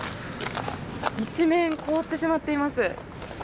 一面凍ってしまっています。